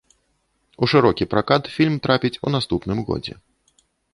У шырокі пракат фільм трапіць у наступным годзе.